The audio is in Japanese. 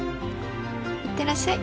いってらっしゃい。